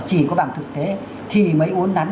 chỉ có bảng thực tế thì mới uốn nắn